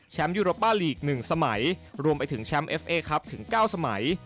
ยูโรป้าลีก๑สมัยรวมไปถึงแชมป์เอฟเอครับถึง๙สมัย